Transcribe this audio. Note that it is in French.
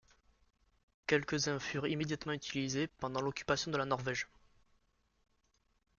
Quelques-uns furent immédiatement utilisés pendant l'occupation de la Norvège.